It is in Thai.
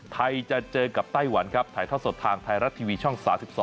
ไทยจะเจอกับไต้หวันครับถ่ายท่อสดทางไทยรัฐทีวีช่อง๓๒